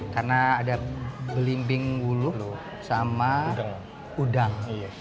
karena ada belimbing ulu sama udang